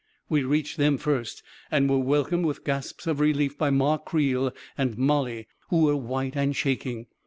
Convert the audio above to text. We reached them first, and were welcomed with gasps of relief by Ma Creel and Mollie, who were white and shaking.